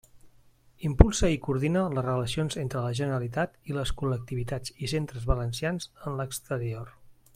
Impulsa i coordina les relacions entre la Generalitat i les col·lectivitats i centres valencians en l'exterior.